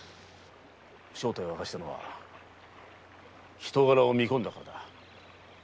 正体を明かしたのは人柄を見込んだからだ。